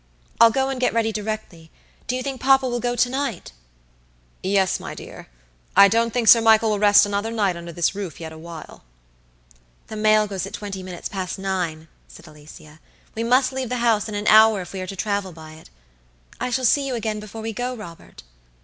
I'll go and get ready directly. Do you think papa will go to night?" "Yes, my dear; I don't think Sir Michael will rest another night under this roof yet awhile." "The mail goes at twenty minutes past nine," said Alicia; "we must leave the house in an hour if we are to travel by it. I shall see you again before we go, Robert?"